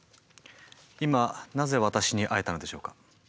今なぜ私に会えたのでしょうか？